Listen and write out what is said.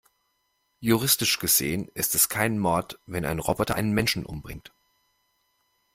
Juristisch gesehen ist es kein Mord, wenn ein Roboter einen Menschen umbringt.